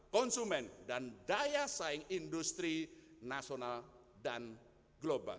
konsumen dan daya saing industri nasional dan global